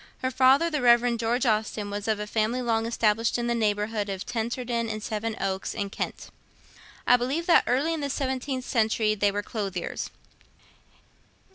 Her father, the Rev. George Austen, was of a family long established in the neighbourhood of Tenterden and Sevenoaks in Kent. I believe that early in the seventeenth century they were clothiers.